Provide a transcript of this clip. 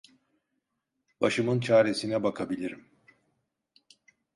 Başımın çaresine bakabilirim.